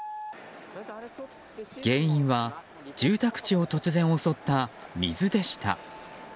原因は住宅地を突然襲った水でした。